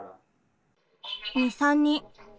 ２、３人。